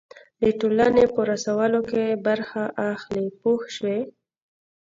د ټولنې په رسولو کې برخه اخلي پوه شوې!.